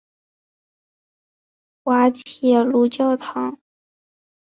滑铁卢教堂。